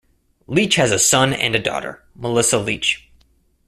Leach has a son and a daughter, Melissa Leach.